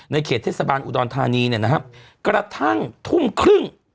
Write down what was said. เขตเทศบาลอุดรธานีเนี่ยนะครับกระทั่งทุ่มครึ่ง